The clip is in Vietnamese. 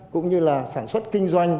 cũng như là sản xuất kinh doanh